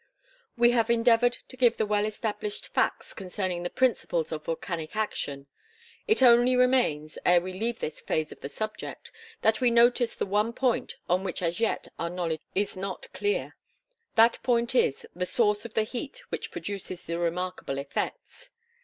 We have endeavored to give the well established facts concerning the principles of volcanic action. It only remains, ere we leave this phase of the subject, that we notice the one point on which as yet our knowledge is not clear. That point is, the source of the heat which produces the remarkable effects.